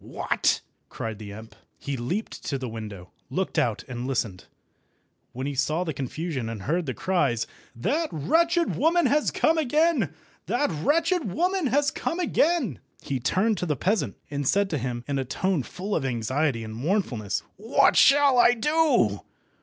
"What!" cried the imp. He leaped to the window, looked out, and listened. When he saw the confusion, and heard the cries—"That wretched woman has come again! that wretched woman has come again!" he turned to the peasant, and said to him, in a tone full of anxiety and mournfulness— "What shall I do?